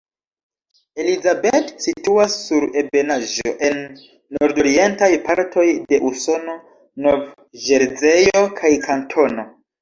Elizabeth situas sur ebenaĵo en nordorientaj partoj de Usono, Nov-Ĵerzejo kaj kantono.